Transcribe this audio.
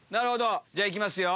じゃあ行きますよ。